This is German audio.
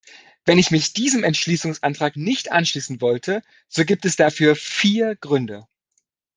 Wenn ich mich diesem Entschließungsantrag nicht anschließen wollte, so gibt es dafür vier Gründe.